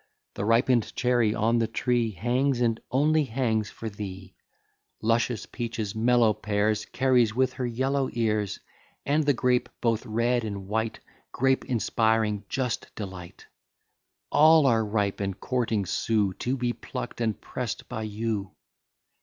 The ripen'd cherry on the tree Hangs, and only hangs for thee, Luscious peaches, mellow pears, Ceres, with her yellow ears, And the grape, both red and white, Grape inspiring just delight; All are ripe, and courting sue, To be pluck'd and press'd by you.